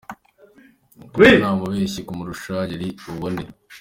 Koko nta mubeshyi kumurusha yari bubone.